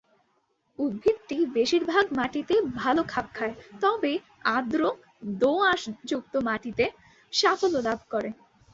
উদ্ভিদটি বেশিরভাগ মাটিতে ভাল খাপ খায় তবে আর্দ্র, দো-আঁশযুক্ত মাটিতে সাফল্য লাভ করে।